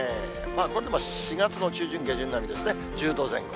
これでも４月の中旬、下旬並みですね、１０度前後。